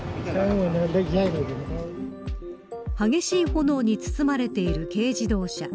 激しい炎に包まれている軽自動車。